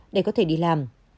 để có thể đi làm